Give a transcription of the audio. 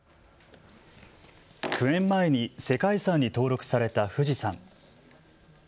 ９年前に世界遺産に登録された富士山。